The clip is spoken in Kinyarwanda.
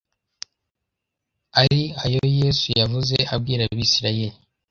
ari ayo yesu yavuze abwira abisirayeli